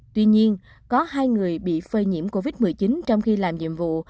tuy nhiên có hai người bị phơi nhiễm covid một mươi chín trong khi làm nhiệm vụ